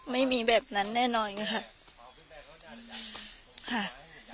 ไม่มีแบบนั้นแน่นอนค่ะ